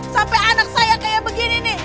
sampai anak saya kayak begini nih